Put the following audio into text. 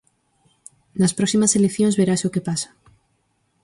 Nas próximas eleccións verase o que pasa.